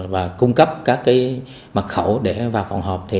và cung cấp các mật khẩu để vào phòng họp